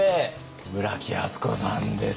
村木厚子さんです。